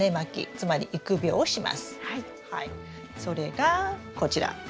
それがこちら。